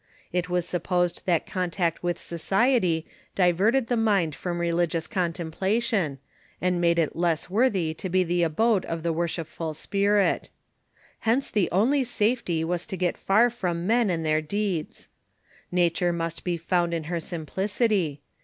It was sup posed that contact with society diverted the mind from relig ious contemplation, and made it less worthj^ to be the abode of the worshipful spirit. Hence the only safety was to get far from men and their deeds. Nature must be found in her sim plicity.